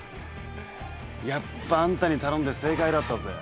やっぱあんたに頼んで正解だったぜ。